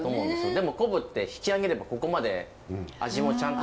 でも昆布って引き上げればここまで味もちゃんと出るものなので。